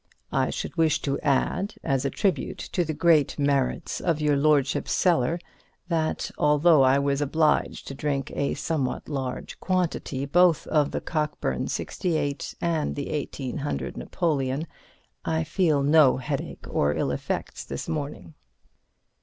I should wish to add, as a tribute to the great merits of your lordship's cellar, that, although I was obliged to drink a somewhat large quantity both of the Cockburn '68 and the 1800 Napoleon I feel no headache or other ill effects this morning.